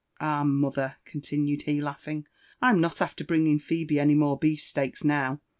Ah, mother !" eoatinued he, laughing, I'm not after bringing Phebe any more beef ateaks now.